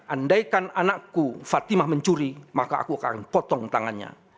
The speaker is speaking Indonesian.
andaikan anakku fatimah mencuri maka aku akan potong tangannya